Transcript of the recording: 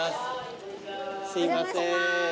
すいません。